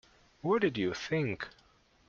What did you think?